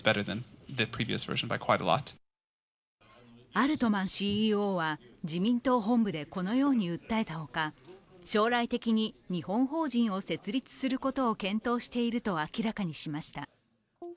アルトマンＣＥＯは自民党本部でこのように訴えたほか、将来的に日本法人を設立することを検討していると明らかにしました。